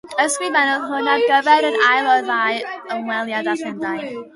Ysgrifennodd hwn ar gyfer yr ail o'u ddau ymweliad â Llundain.